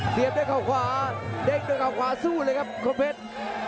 เสียบด้วยเขาขวาเด้งด้วยเขาขวาสู้เลยครับคนเพชร